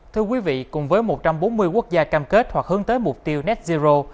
thưa quý vị cùng với một trăm bốn mươi quốc gia cam kết hoặc hướng tới mục tiêu net zero